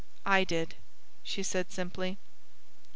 "I did," she said simply.